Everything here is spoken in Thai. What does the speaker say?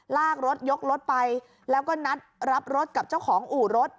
ลากรถยกรถไปแล้วก็นัดรับรถกับเจ้าของอู่รถ